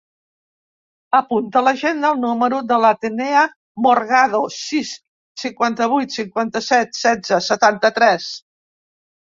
Apunta a l'agenda el número de l'Atenea Morgado: sis, cinquanta-vuit, cinquanta-set, setze, setanta-tres.